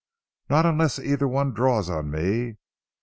"Not unless either one draws on me.